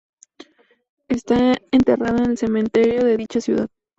Está enterrado en el cementerio de dicha ciudad.